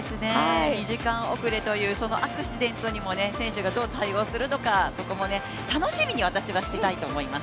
２時間遅れという、そのアクシデントにも選手がどう対応するのかそこも楽しみに私はしていたいと思います。